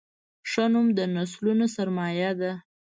ښه نوم د نسلونو سرمایه ده.